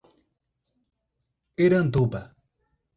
Iranduba